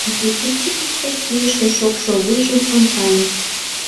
Изи кӱпчыкыштӧ кийыше шокшо вуйжым ончале.